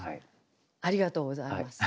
ありがとうございます。